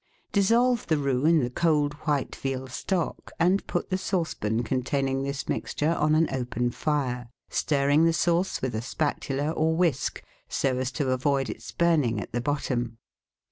Dissolve the roux in the cold white veal stock and put the saucepan containing this mixture on an open fire, stirring the sauce with a spatula or whisk, so as to avoid its burning at the bottom.